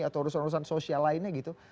atau urusan urusan sosial lainnya gitu